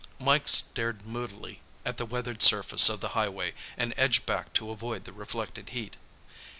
Mike stared moodily at the weathered surface of the highway and edged back to avoid the reflected heat.